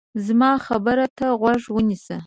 زما خبرې ته غوږ ونیسئ.